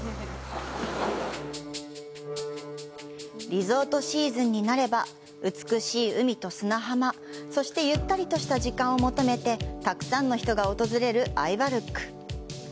リゾートシーズンになれば美しい海と砂浜そして、ゆったりとした時間を求めてたくさんの人が訪れるアイヴァルック。